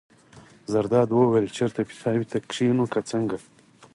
زرداد وویل: چېرته پیتاوي ته کېنو که څنګه.